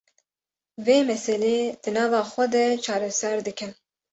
vê meselê di nava xwe de çareser dikin